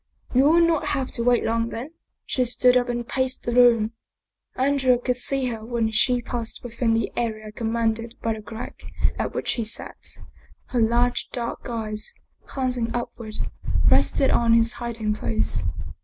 " You will not have to wait long then." She stood up and paced the room. Andrea could see her when she passed within the area commanded by the crack at which he sat. Her large, dark eyes, glancing upward, rested on his hiding place.